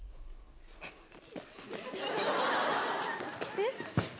えっ？